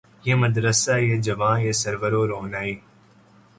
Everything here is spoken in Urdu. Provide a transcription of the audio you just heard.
یہ مدرسہ یہ جواں یہ سرور و رعنائی